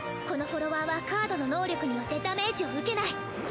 このフォロワーはカードの能力によってダメージを受けない！